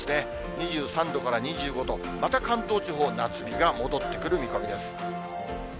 ２３度から２５度、また関東地方、夏日が戻ってくる見込みです。